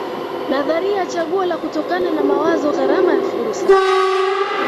Nadharia ya chaguo la kutokana na mawazo gharama ya fursa